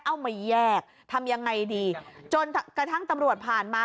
เอามาแยกทำยังไงดีจนกระทั่งตำรวจผ่านมา